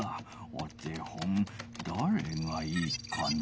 お手本だれがいいかな？